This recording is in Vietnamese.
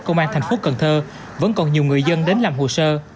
công an tp cn vẫn còn nhiều người dân đến làm hồ sơ